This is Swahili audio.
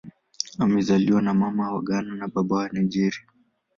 Amezaliwa na Mama wa Ghana na Baba wa Nigeria.